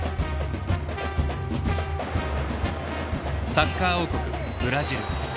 サッカー王国ブラジル。